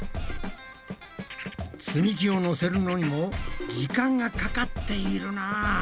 積み木をのせるのにも時間がかかっているな。